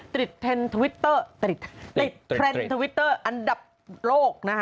ตริดเทรนด์ทวิตเตอร์อันดับโลกนะฮะ